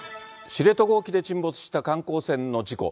知床沖で沈没した観光船の事故。